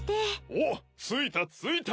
おっついたついた！